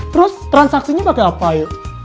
terus transaksinya pake apa ayu